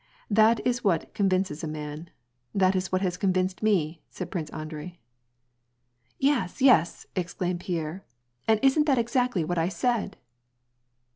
That is what con vinces a man, that is what has convinced me/' said Prince Andrei. " Yes, yes," exclaimed Pierre, " and isn't that exactly what I said